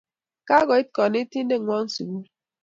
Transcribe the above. Kako it kanetinde ng'wong' sukul.